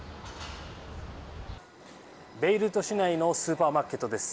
ベイルート市内のスーパーマーケットです。